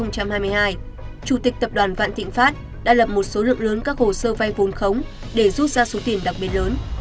chủ tịch tập đoàn vạn thịnh pháp đã lập một số lượng lớn các hồ sơ vay vốn khống để rút ra số tiền đặc biệt lớn